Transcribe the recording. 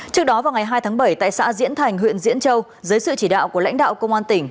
trước đó vào ngày hai tháng bảy tại xã diễn thành huyện diễn châu dưới sự chỉ đạo của lãnh đạo công an tỉnh